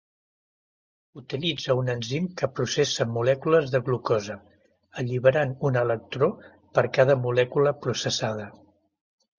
Utilitza un enzim que processa molècules de glucosa, alliberant un electró per cada molècula processada.